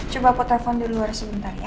coba aku telfon dulu harus sebentar ya